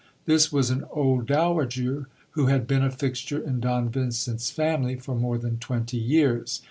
This was an old dowager, who had been a fixture in Don Vincent's family for more than twenty years.